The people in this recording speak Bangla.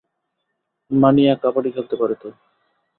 মানিয়া, কাবাডি খেলতে পারো তো?